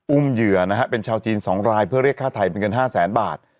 เหยื่อนะฮะเป็นชาวจีน๒รายเพื่อเรียกค่าไทยเป็นเงิน๕แสนบาท